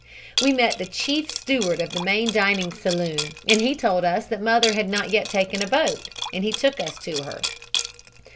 We met the chief steward of the main dining saloon and he told us that mother had not yet taken a boat, and he took us to her.